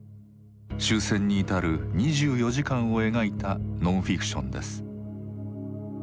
終戦に至る２４時間を描いたノンフィクションです。